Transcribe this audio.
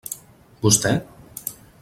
Vostè?